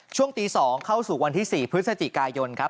ช่วงตี๒เข้าสู่วันที่๔พฤศจิกายนครับ